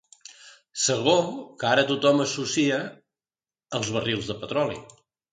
Segó que ara tothom associa als barrils de petroli.